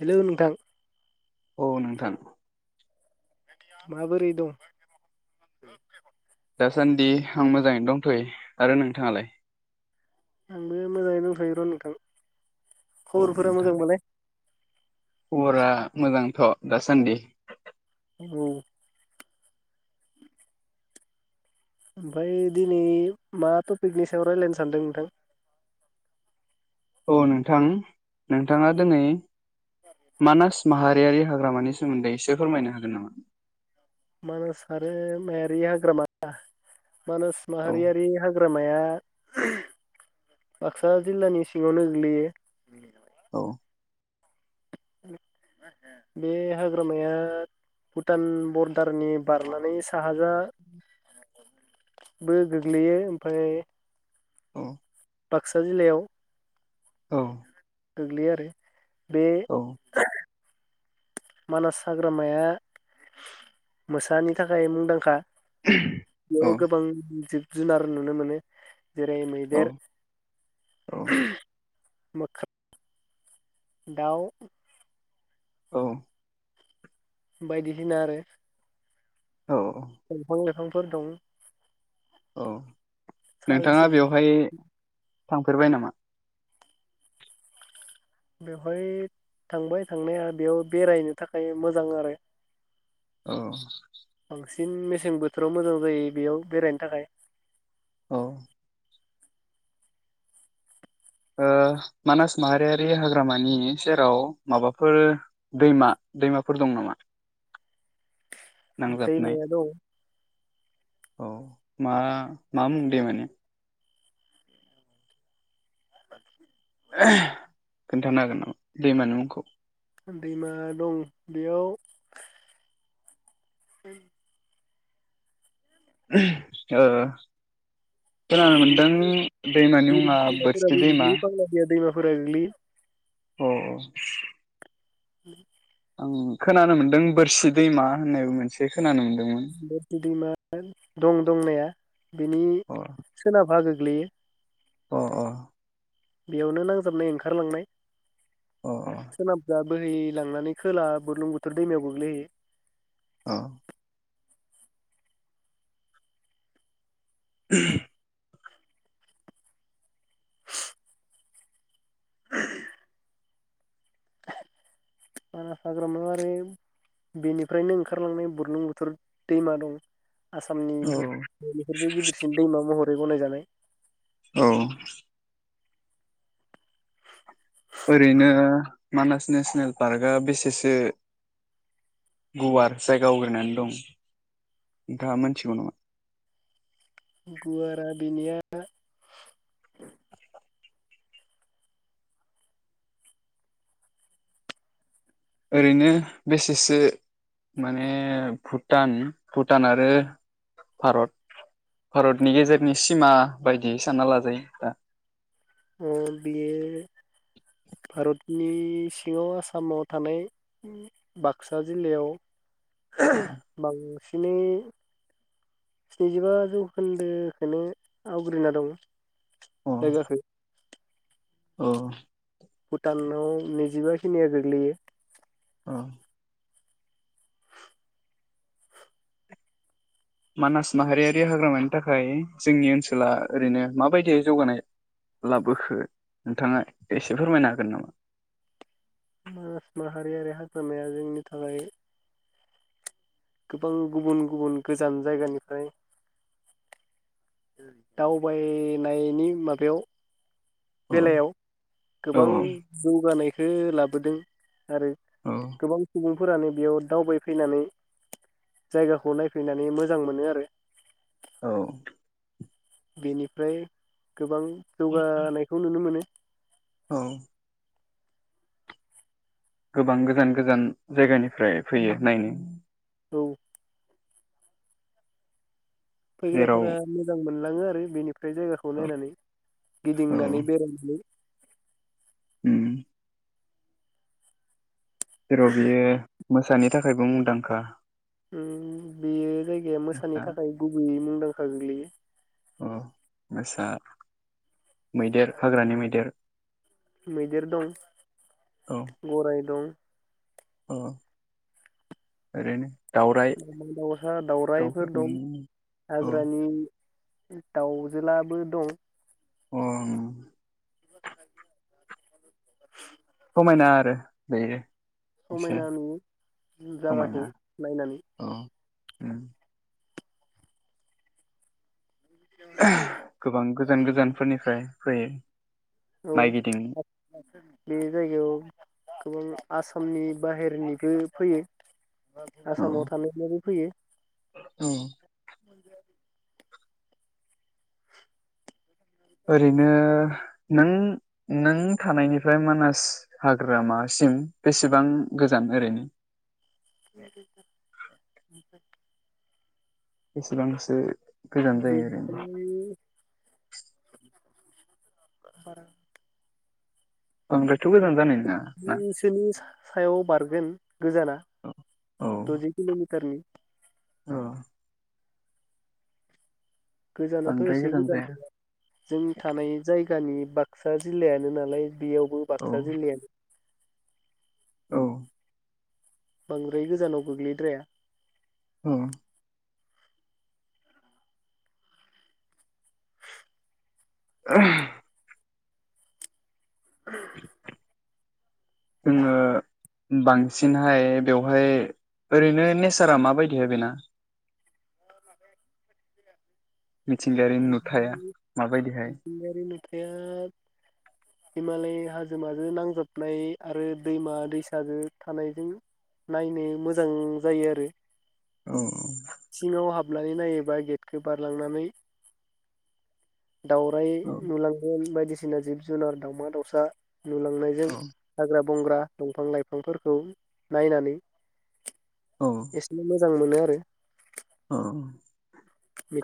Hello नोंथां औ नोंथां माबोरै दं? दासान्दि आं मोजाङैनो दंथयो आरो नोंथाङालाय? आंबो मोजाङैनो दंथयोर नोंथां औ खबरफोरा नोंथां मोजांबालाय खबरा मोजांथ दासान्दि अ ओमफ्राय दिनै मा टपिकनि सायाव रायलायनो सानदों नोंथां? औ नोंथां नोंथाङा दिनै मानास माहारियारि हाग्रामानि सोमोन्दै एसे फोरमायनो हागोन नामा? मानास माहारिमायारि हाग्रामा मानास औ माहारियारि हाग्रामाया बाक्सा जिल्लानि सिङावनो गोग्लैयो औ बे हाग्रामाया भुटान बरदारनि बारनानै साहाजा बो गोग्लैयो ओमफाय औ बाक्सा जिल्लायाव औ गोग्लैयो आरो बे औ मानास हाग्रामाया मोसानि थाखाय मुंदांखा औ बेयाव गोबां जिब जुनार नुनो मोनो जेरै औ मैदेर मोख्रा दाउ औ बायदिसिना आरो औ दंफां लाइफांफोर दं औ साल नोंथाङा सिगुन बेवहाय थांफेरबाय नामा? बेवहाय थांबाय थांनाया बेयाव बेरायनो थाखाय मोजां आरो अ बांसिन मेसें बोथोराव मोजां जायो बेयाव बेरायनो थाखाय औ ओ मानास माहारियारि हाग्रामानि सेराव माबाफोर दैमा- दैमाफोर दं नामा नांजाबनाय दैमाया दं औ मा मा मुं दैमानि खोन्थानो हागोन नामा दैमानि मुंखौ दैमा दं बेयाव [unintelligible] ओ खोनानो गोग्लैयो मोनदों दैमानि मुङा बोरसि दैमा बांलादिया दैमाफोरा फोरा गोग्लैयो अ [unintelligible] आं खोनानो मोन्दों बोरसि दैमा होननायबो मोनसे खोनानो मोनदोंमोन बोरसि दैमा दं दंनाया बिनि अ सोनाब बागो [unintelligible] अ अ बेयावनो नांजाबनाय ओंखारलांनाय अ अ सोनाबजा बोहैलांनानै खोला बुरलुंबुथुर दैमायाव गोग्लैहैयो अ [unintelligible] मानास हाग्रामायाव आरो बेनिफ्रायनो ओंखारलांनाय बुरलुंबुथुर दैमा दं आसामनि औ बेफोरबो गिदिरसिन दैमा महर गनाय जानाय औ ओरैनो मानास नेसनेल पार्कआ बेसेसो गुवार जायगा आवग्रिनानै दं नोंथाङा मोनथिगौ नामा? गुवारा बिनिया ओरैनो बेसेसो माने भुटान भुटान आरो भारत भारतनि गेजेरनि सिमा बायदियै साननानै लाजायो दा ओ बेयो [unintelligible] सिङाव आसामाव थानाय बाक्सा जिल्लायाव अ [unintelligible] बांसिनै स्निजिबा जौखोन्दोखौनो आवग्रिना दङ औ मा जाखो? औ भुटानाव नैजिबा खिनिया गोग्लैयो औ मानास माहारियारि हाग्रामानि थाखाय जोंनि ओनसोला ओरैनो माबायदिय जौगानाय लाबोखो नोंथाङा एसे फोरमायनो हागोन नामा मानास माहारियारि हाग्रामाया जोंनि थाखाय गोबां गुबुन गुबुन गोजान जायगानिफ्राय दावबायनायनि माबायाव औ बेलायाव औ गोबां जौगानाय खो लाबोदों। आरो औ गोबां सुबुं फोरानो बेयाव दावबाय फैनानै जायगाखौ नायफैनानै मोजां मोनो आरो औ बेनिफ्राय गोबां जौगानायखौ नुनो मोनो। औ गोबां गोजान गोजान जायगानिफ्राय फैयो नायनो? औ जेराव फैग्राफोरा मोजां मोनलाङो बेनि [unintelligible] बे जायगाखौ नायनानै औ गिदिंनानै बेरायनानै उम जेराव बियो मोसानि थाखायबो मुंदांखा उम बियो जायगाया मोसानि थाखाय गुबैयै मुं दांखा गोग्लैयो औ मोसा मैदेर हाग्रानि मैदेर मैदेर दं गराइ दं अ ओरैनो दावराइ दाउमा दाउसा दाउरायाइफोर दाउफोरखौ दं औ हाग्रानि दाउजोलाबो दं अ ओं [inaudible] मायना आरो बेयो एसे समायना नुयो समायना जागाखौ नायनानै औ उम गोबां गोजान गोजानफोरनिफ्राय फैयो औ नायगिदिंनो बे जायगायाव गोबां आसामनि बाहेरनिबो फैयो औ आसामाव थानायब्लाबो फैयो औ [unintelligible] ओरैनो नों नों थानायनिफ्राय मानास हाग्रामासिम बेसेबां गोजान ओरैनो [inaudible] बेसेबांसो गोजान जायो ओरैनो बेनिफ्राय बारा [unintelligible] थ गोजान जानाय नोङा ना बिसोरनि सायाव बारगोन गोजाना औ औ दजि किलमिटारनि औ गोजानाथ बांद्राय एसे गोजान जाया गैया जों थानाय जाय गानि बाक्सा जिल्लायानो नालाय बेयावबो औ बाक्सा जिल्लायानो औ बांद्राय गोजानाव गोग्लैद्राया औ आ आ जोङो बांसिनहाय बेवहाय ओरैनो नेसारा माबायदिहाय बेना मिथिंगायारि नुथाया माबायदिहाय हा हिमालय हाजोमाजों नांजाबनाय आरो दैमा दैसाजों थानायजों नायनो मोजां जायो आरो औ सिङाव हाबनानै नायोबा गेद गोबारलांनानै दाउराय औ नुलांगोन बायदिसिना बायदिसिना जिब जुनार दावमा दावसा नुलांनायजों हाग्रा बंग्रा दंफां लाइफांफोरखौ नायनानै औ एसेनो मोजां मोनो आरो ओम औ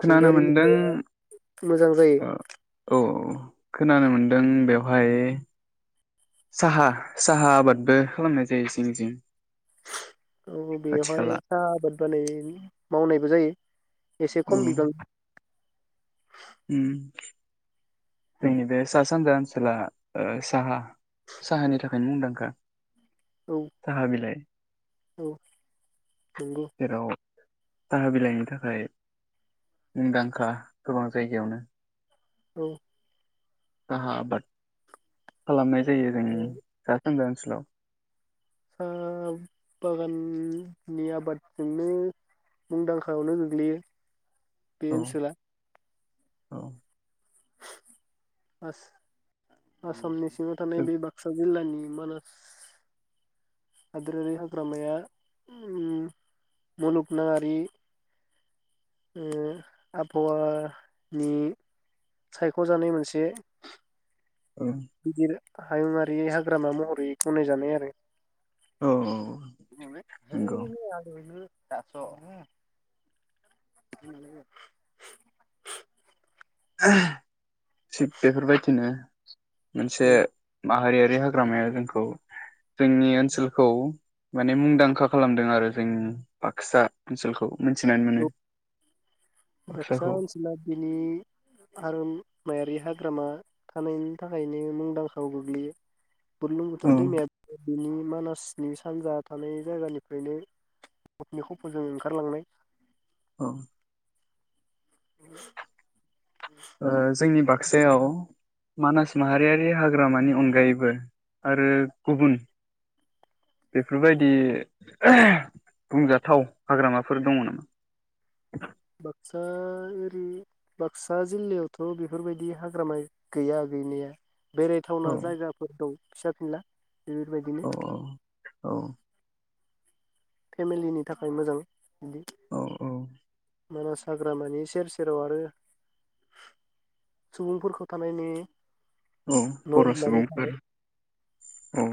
खोनानो मोनदों सा मोजां जायो ओ औ औ खोनानो मोनदों बेवहाय साहा साहा आबादबो खालामनाय जायो जिं जिं औ खाथि बेयावहाय खाला साह आबाद मावनायबो जायो एसे खम बिबां ओम जोंनि बे सा सानजा ओनसोला साहा साहानि थाखाय मुंदांखा औ साहा बिलाय औ नंगौ जेराव साहा बिलाइनि थाखाय मुंदांखा गोबां जायगायावनो औ साहा आबाद खालामनाय जायो [unintelligible] सा सान्जा ओनसोलाव साहा बागाननि आबादजोंनो मुंदांखाायावनो गोग्लैयो बे औ ओनसोला औ बास आसामनि सिङाव थानाय बे बाक्सा जिल्लानि मानास हादोरारि हाग्रामाया उम मुलुगनाङारि आबहावानि सायखजानाय मोनसे गिदिर हायुङरि हाग्रामा महरै गनायजानाय आरो। औ औ नंगौ दाथ थिग बेफोर बायदिनो मोनसे औ माहारियारि हाग्रामाया जोंखौ रै जोंनि ओनसोलखौ माने मुंदांखा खालामदों आरो जोंनि बाक्सा ओनसोलखौ। मोनथिनानै मोनो। बाकसा बाक्साखौ ओन्सोला बिनि आरो मायारि हाग्रामा थानायनि थाखायनो मुंदांखायाव गोग्लैयो। औ बुरलुंबुथुर दैमाया बिनि मानासनि सानजा थानाय जायगानिफ्रायनो गफनि खफजों ओंखारलांनाय औ [inaudible] ओ जोंनि बाक सायाव मानास माहारियारि हाग्रामानि अनगायैबो आरो गुबुन बेफोरबायदि बुंजाथाव हाग्रामाफोर दङ नामा? बाक्सा एरि बाक्सा जिल्लायावथ बेफोरबायदि हाग्राामा गैया गैनाया। बेरायथावना औ जायगाफोर दं। फिसा फिनला बेफोरबायदिनो औ औ फेमिलिनि थाखाय मोजां। बिदि औ औ मानास हाग्रामानि सेर सेराव आरो सुबुंफोरखौ थानाय नुयो। औ बर' लुनानै सुबुंफोर औ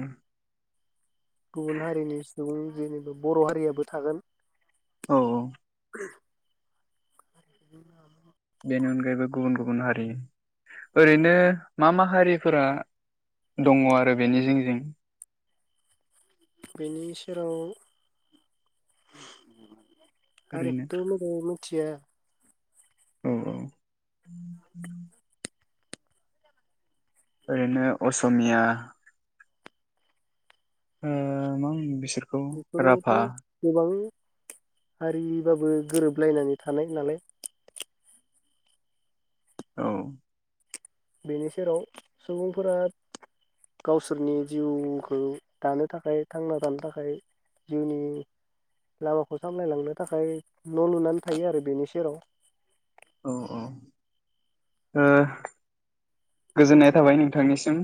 गुबुन हारिनि सुबुं जेनेबा बर' हारियाबो थागोन। औ औ [inaudible] बेनि अनगायैबो गुबुन गुबुन हारि ओरैनो मा मा हारिफोरा दङ आरो बेनि जिं जिं? बेनि सेराव ओरैनो [inaudible] थिया औ औ ओरैनो असमिया ओ मा होनो बिस बेफोरावथ गोबां हारिबाबो गोरोबलायनानै थानाय नालाय औ बेनि सेराव सुबुंफोरा गावसोरनि जिउखौ दानो थाखाय थांना थानो थाखाय जिउनि लामाखौ सामलायलांनो थाखाय न' लुनानै थायो आरो बेनि सेराव औ औ ओ गोजोननाय थाबाय नोंथांनिसिम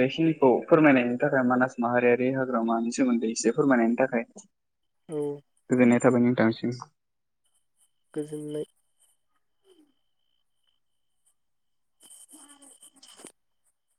बेखिनिखौ फोरमायनायनि थाखाय मानास माहारियारि हाग्रामानि सोमोन्दै एसे फोरमायनायनि थाखाय औ गोजोन्नाय थाबाय नोंथांनिसिम [unintelligible] गोजोननाय